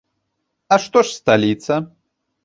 А што ж сталіца?